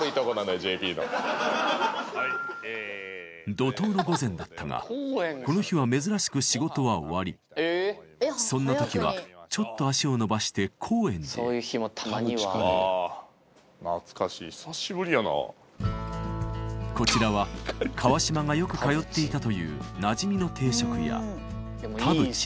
怒濤の午前だったがこの日は珍しく仕事は終わりそんな時はちょっと足を延ばして高円寺へこちらは川島がよく通っていたというなじみの定食屋